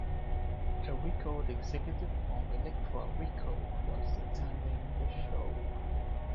A record executive from Elektra Records was attending the show.